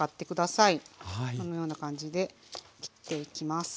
このような感じで切っていきます。